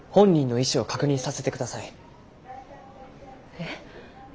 えっ？